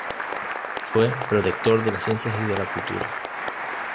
Fue protector de las ciencias y de la cultura.